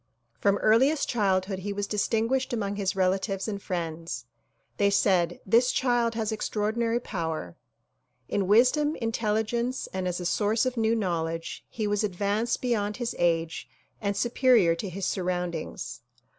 From earliest childhood he was distinguished among his relatives and friends. They said "This child has DISCOURSES DELIVERED IN NEW YORK 23 extraordinary power." In wisdom, intelligence and as a source of new knowledge he was advanced beyond his age and superior to his surroundings.